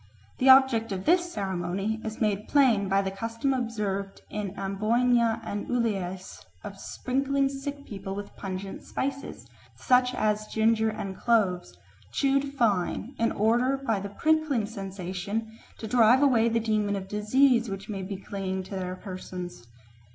The object of this ceremony is made plain by the custom observed in Amboyna and Uliase of sprinkling sick people with pungent spices, such as ginger and cloves, chewed fine, in order by the prickling sensation to drive away the demon of disease which may be clinging to their persons.